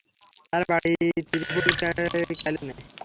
তার বাড়ি ত্রিপলিক্যানে।